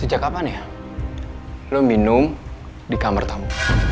sejak kapan ya lo minum di kamar tamu